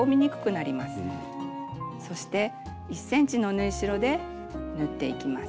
そして１ｃｍの縫い代で縫っていきます。